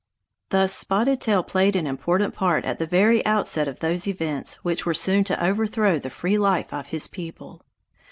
Thus Spotted Tail played an important part at the very outset of those events which were soon to overthrow the free life of his people.